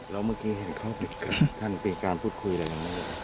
แล้วเมื่อกี้เห็นเขาไปกับท่านเป็นการพูดคุยอะไรหรือไม่หรือ